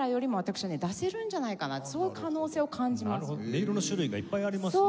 音色の種類がいっぱいありますね。